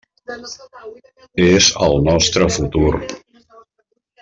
És el nostre futur.